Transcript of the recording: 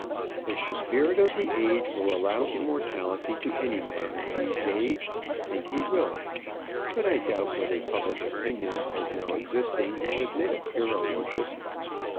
"If the spirit of the age will allow immortality to any man of these days, I think he will. But I doubt whether public opinion, as now existing, will admit of hero worship."